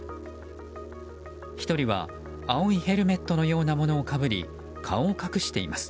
１人は青いヘルメットのようなものをかぶり顔を隠しています。